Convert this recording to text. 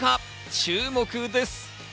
注目です。